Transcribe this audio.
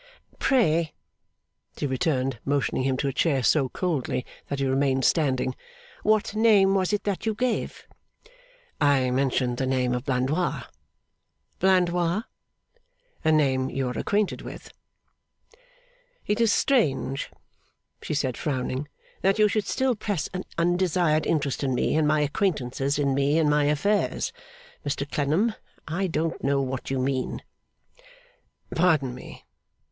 'Pray,' she returned, motioning him to a chair so coldly that he remained standing, 'what name was it that you gave?' 'I mentioned the name of Blandois.' 'Blandois?' 'A name you are acquainted with.' 'It is strange,' she said, frowning, 'that you should still press an undesired interest in me and my acquaintances, in me and my affairs, Mr Clennam. I don't know what you mean.' 'Pardon me.